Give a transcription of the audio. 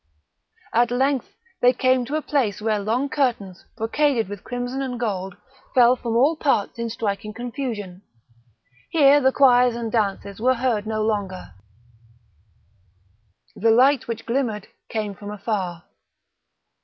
At length they came to a place where long curtains, brocaded with crimson and gold, fell from all parts in striking confusion; here the choirs and dances were heard no longer; the light which glimmered came from afar.